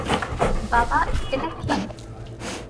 বাবা, এটা কি?